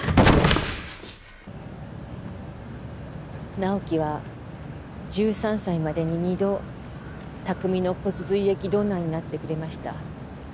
直木は１３歳までに２度拓海の骨髄液ドナーになってくれました